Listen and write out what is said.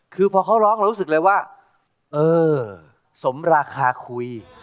คือพอเขาร้องเรารู้สึกเลยว่าเออสมราคาคุย